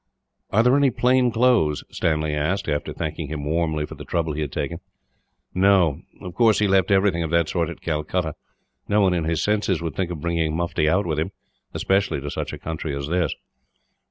"Are there any plain clothes?" Stanley asked, after thanking him warmly for the trouble he had taken. "No. Of course, he left everything of that sort at Calcutta. No one in his senses would think of bringing mufti out with him, especially to such a country as this."